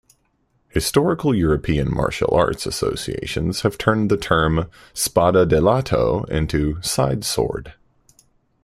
Historical European Martial Arts associations have turned the term "spada da lato" into "side-sword".